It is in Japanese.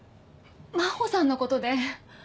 真帆さんのことで！